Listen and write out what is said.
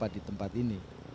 jangan lupa di tempat ini